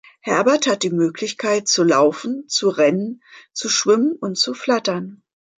Herbert hat die Möglichkeit zu laufen, zu rennen, zu schwimmen und zu flattern.